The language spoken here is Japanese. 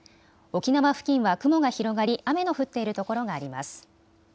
沖縄付近は雲が広がり雨の降っている所があります。